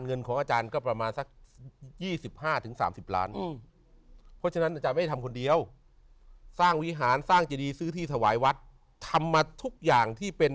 เงินของอาจารย์ก็ประมาณสัก๒๕๓๐ล้าน